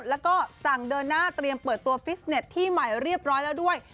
แล้วก็สั่งเดินหน้าเตรียมเปิดตัวฟิสเน็ตที่ใหม่เรียบร้อยแล้วด้วย